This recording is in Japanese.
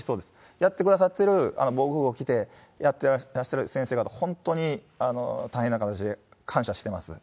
やってくださってる、防護服着てやってらっしゃる先生方、本当に大変な形で感謝してます。